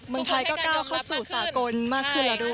เมืองไทยก็ก้าวเข้าสู่สากลมากขึ้นแล้วด้วย